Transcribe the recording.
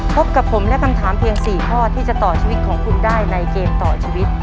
พบกับผมและคำถามเพียง๔ข้อที่จะต่อชีวิตของคุณได้ในเกมต่อชีวิต